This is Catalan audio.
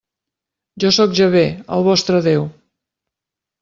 Jo sóc Jahvè, el vostre Déu.